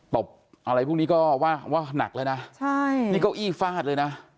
ตบอะไรพวกนี้ก็ว่าว่าหนักแล้วนะใช่นี่เก้าอี้ฟาดเลยนะ